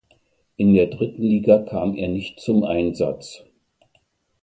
In der dritten Liga kam er nicht zum Einsatz.